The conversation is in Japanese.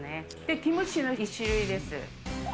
キムチの一種類です。